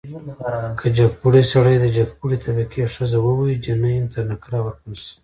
که جګپوړی سړی د جګپوړي طبقې ښځه ووهي، جنین ته نقره ورکړل شي.